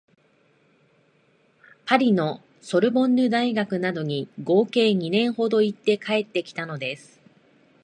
パリのソルボンヌ大学などに合計二年ほどいて帰ってきたのです